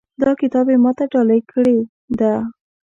دا کتاب یې ما ته ډالۍ کړی ده